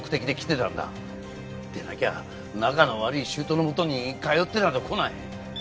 でなきゃ仲の悪い姑のもとに通ってなどこない。